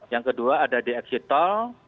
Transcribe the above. yang kedua ada di exit tol